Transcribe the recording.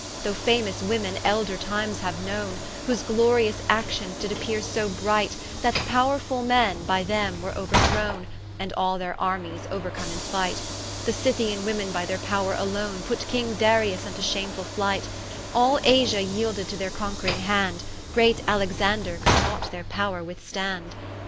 Though famous women elder times haue knowne, Whose glorious actions did appeare so bright, That powrefull men by them were ouerthrowne, And all their armies ouercome in fight; The Scythian women by their powre alone, Put king Darius vnto shamefull flight: All Asia yeelded to their conq'ring hand, Great Alexander could not their powre withstand.